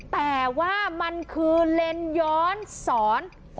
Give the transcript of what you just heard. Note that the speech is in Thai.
แต่ว่ามันคือเลนส์ย้อนสอน